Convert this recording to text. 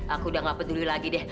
aku udah gak peduli lagi deh